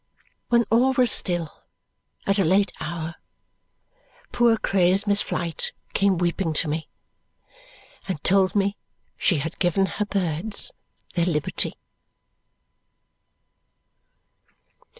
When all was still, at a late hour, poor crazed Miss Flite came weeping to me and told me she had given her birds their liberty.